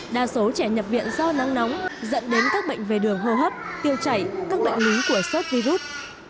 đa số trẻ nhập viện do nắng nóng dẫn đến các bệnh về đường hô hấp tiêu chảy các bệnh lý của sốt virus